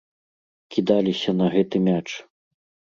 Кідаліся на гэты мяч.